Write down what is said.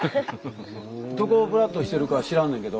どこをぶらっとしてるかは知らんねんけど。